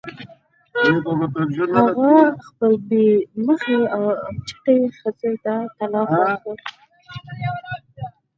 هغه خپلې پی مخې او چټې ښځې ته طلاق ورکړ.